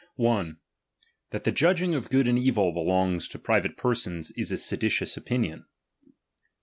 That Ike judging of gaud and eeil belongs to private persons is ^^ seditious opinion.